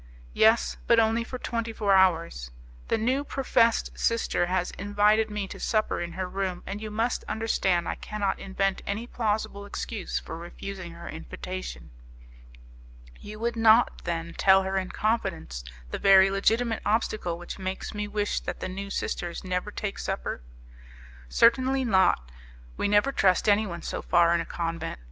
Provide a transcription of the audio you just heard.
"Yes, but only for twenty four hours; the new professed sister has invited me to supper in her room, and you must understand I cannot invent any plausible excuse for refusing her invitation." "You would not, then, tell her in confidence the very legitimate obstacle which makes me wish that the new sisters never take supper?" "Certainly not: we never trust anyone so far in a convent.